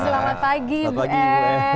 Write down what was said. selamat pagi ibu m